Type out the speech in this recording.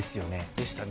でしたね。